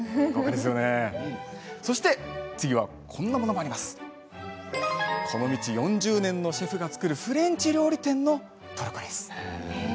次はこの道４０年のシェフが作るフレンチ料理店のトルコライスです。